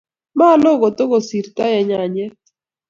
malo kotokosirtoi eng' nyanjet.